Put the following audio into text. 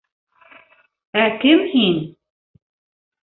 Ә кем һин?